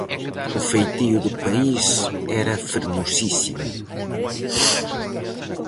O feitío do país era fermosísimo.